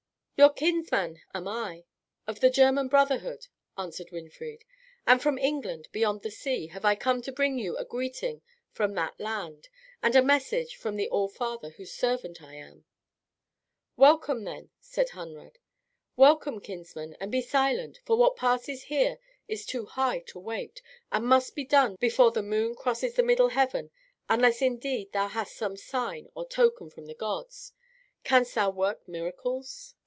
"Your kinsman am I, of the German brotherhood," answered Winfried, "and from England, beyond the sea, have I come to bring you a greeting from that land, and a message from the All Father, whose servant I am." "Welcome, then," said Hunrad, "welcome, kinsman, and be silent; for what passes here is too high to wait, and must be done before the moon crosses the middle heaven, unless, indeed, thou hast some sign or token from the gods. Canst thou work miracles?"